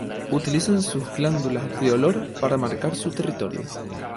Utilizan sus glándulas de olor para marcar su territorio.